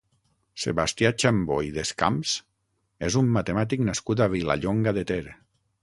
Sebastià Xambó i Descamps és un matemàtic nascut a Vilallonga de Ter.